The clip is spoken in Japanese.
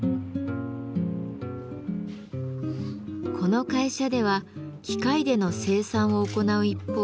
この会社では機械での生産を行う一方